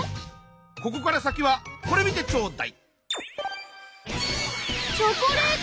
ここから先はこれ見てちょうだい。